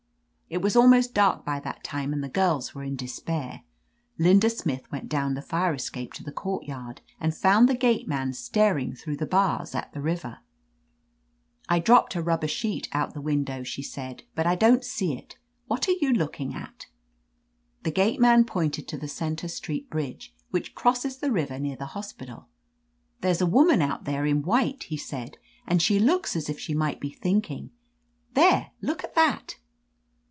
"It was almost dark by that time, and the girls were in despair. Linda Smith went down the fire escape to the courtyard, and found the gate man staring through the bars at the river. 1 dropped a rubber sheet out the win I9S «(• THE AMAZING ADVENTURES dow/ she said, T>ut I don't see it. What are you looking at?' "The gate man pointed to the Center Street bridge, which crosses the river near the hos pital. There's a woman out there in white,' he said, 'and she looks as if she might be thinking — there, look at that!'